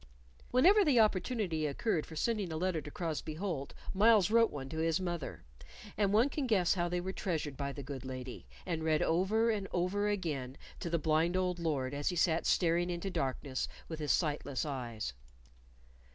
Whenever the opportunity occurred for sending a letter to Crosbey Holt, Myles wrote one to his mother; and one can guess how they were treasured by the good lady, and read over and over again to the blind old Lord as he sat staring into darkness with his sightless eyes.